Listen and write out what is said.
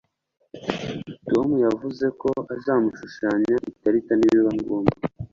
Tom yavuze ko azamushushanya ikarita nibiba ngombwa